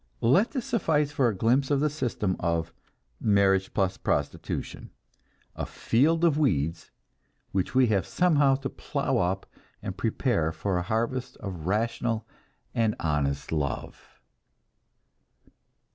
Let this suffice for a glimpse of the system of marriage plus prostitution a field of weeds which we have somehow to plow up and prepare for a harvest of rational and honest love!